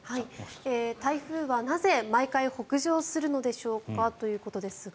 台風はなぜ毎回北上するのでしょうかということですが。